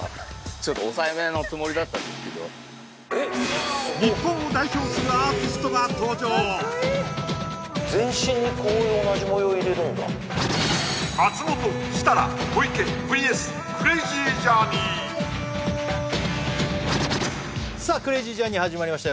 ちょっと抑えめのつもりだったんですけどが登場全身にこういう同じ模様入れるんだ松本設楽小池ＶＳクレイジージャーニーさあクレイジージャーニー始まりました